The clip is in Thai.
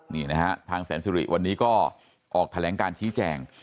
นี่นะฮะทางแสนสุริวันนี้ก็ออกแถลงการชี้แจง